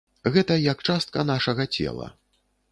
Гэта як частка нашага цела.